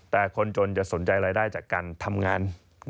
แต่คนจนจะสนใจรายได้จากการทำงาน